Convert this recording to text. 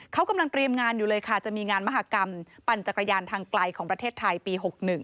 เขากำลังเตรียมงานอยู่เลยค่ะจะมีงานมหากรรมปั่นจักรยานทางไกลของประเทศไทยปี๖๑